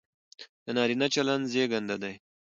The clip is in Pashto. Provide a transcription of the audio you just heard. د نارينه چلن زېږنده دى،